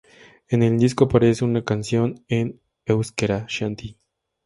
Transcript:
En el disco, aparece una canción en euskera, "Shanti".